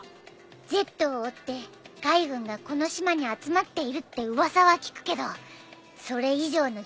Ｚを追って海軍がこの島に集まっているって噂は聞くけどそれ以上の情報は集まらないぞ。